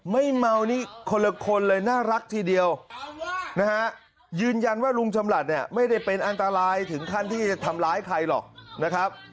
ไม่เมานี่คนละคนเลยน่ารักทีเดียวนะฮะยืนยันว่าลุงจำหลัดเนี่ยไม่ได้เป็นอันตรายถึงขั้นที่จะทำร้ายใครหรอกนะครับ